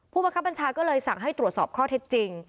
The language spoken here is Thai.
บังคับบัญชาก็เลยสั่งให้ตรวจสอบข้อเท็จจริง